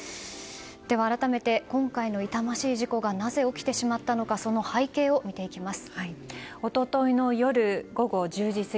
改めて、今回の痛ましい事故がなぜ起きてしまったのかその背景を見ていきます。